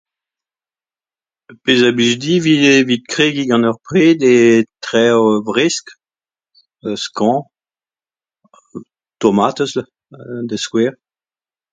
Pezh a blij din 'vit kregiñ gant ur pred eo traoù fresk, [eu] skañv, tomatez da skouer.